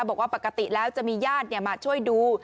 บอกว่าปกติแล้วจะมีญาติมาช่วยดู